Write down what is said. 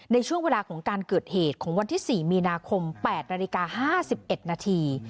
ในช่วงเวลาของการเกิดเหตุของวันที่๔มีนาคม๘นาฬิกา๕๑นาที